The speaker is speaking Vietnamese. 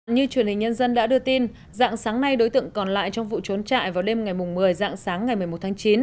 như truyền hình nhân dân đã đưa tin dạng sáng nay đối tượng còn lại trong vụ trốn trại vào đêm ngày một mươi dạng sáng ngày một mươi một tháng chín